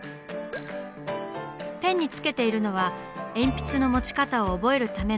ペンにつけているのは鉛筆の持ち方を覚えるためのグリップ。